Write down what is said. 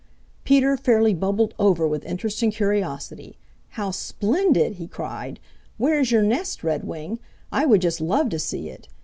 Peter fairly bubbled over with interest and curiosity. "How splendid!" he cried. "Where is your nest, Redwing? I would just love to see it.